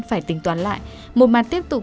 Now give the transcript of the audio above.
phải tính toán lại một màn tiếp tục